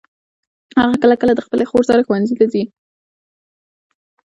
هغه کله کله د خپلي خور سره ښوونځي ته ځي.